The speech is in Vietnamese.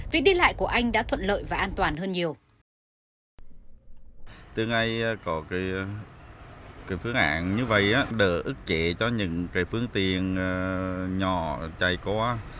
việc đi lại của anh đã thuận lợi và an toàn hơn nhiều